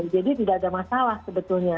jadi tidak ada masalah sebetulnya